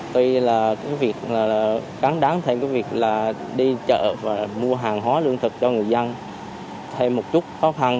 tuy là cái việc là cắn đáng thêm cái việc là đi chợ và mua hàng hóa lương thực cho người dân thêm một chút khó khăn